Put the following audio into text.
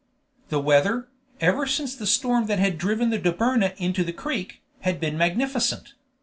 The weather, ever since the storm that had driven the Dobryna into the creek, had been magnificent.